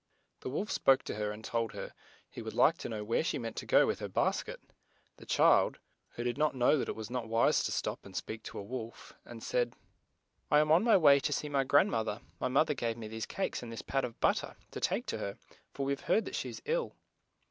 The wolf spoke to her and told her he would like to know where she meant to go with her bas ket. The child, who did 110 LITTLE RED CAP not know that it was not wise to stop and speak to a wolf, and said: "I am on my way to see my grand moth er ; my moth er gave me these cakes and this pat of but ter, to take to her, for we have heard that she is ill.